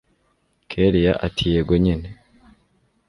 kellia ati yego nyine